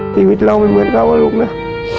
ชีวิตเราไม่เหมือนเขาอะลูกนะ